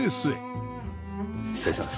失礼します。